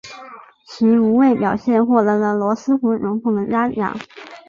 其无畏表现获得了罗斯福总统的嘉奖。